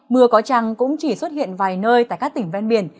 mưa có trăng cũng chỉ xuất hiện vài nơi tại các tỉnh ven biển